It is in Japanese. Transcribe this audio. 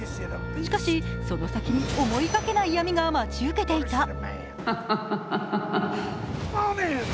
しかし、その先に思いがけない闇が待ち受けていた。